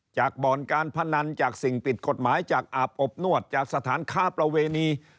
บ่อนการพนันจากสิ่งผิดกฎหมายจากอาบอบนวดจากสถานค้าประเวณี